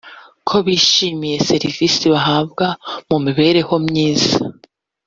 ko bishimiye serivise bahabwa mu mibereho myiza